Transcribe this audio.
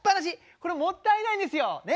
これもったいないですよね。